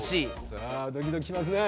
さあドキドキしますね。